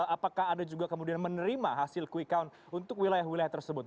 apakah anda juga kemudian menerima hasil quick count untuk wilayah wilayah tersebut